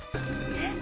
えっ？